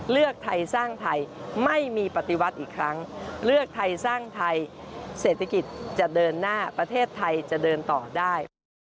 เลือกไทยสร้างไทยไม่มีปฏิวัติอีกครั้งเลือกไทยสร้างไทยเศรษฐกิจจะเดินหน้าประเทศไทยจะเดินต่อได้